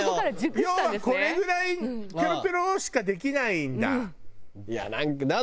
要はこれぐらいペロペロしかできないんだ。